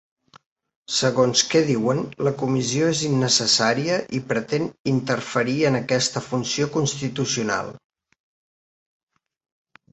Segons que diuen, la comissió és innecessària i pretén interferir en aquesta funció constitucional.